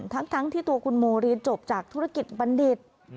ทั้งที่ตัวคุณโมเรียนจบจากธุรกิจบัณฑิต